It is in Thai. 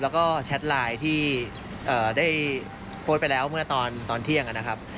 แล้วก็แชทไลน์ที่ได้โพสต์ไปแล้วเมื่อตอนเที่ยงนะครับ